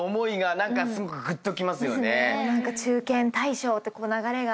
中堅大将って流れが。